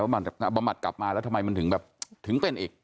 บำบัดกลับมาแล้วทำไมมันถึงแบบถึงเป็นอีก